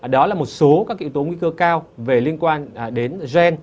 đó là một số các yếu tố nguy cơ cao về liên quan đến gen